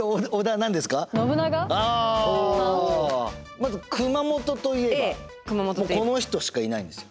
まず熊本といえばこの人しかいないんですよ。